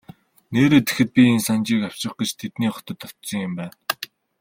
Нээрээ тэгэхэд би энэ Санжийг авчрах гэж тэдний хотод очсон юм байна.